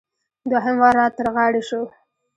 دوهم وار را تر غاړې شو.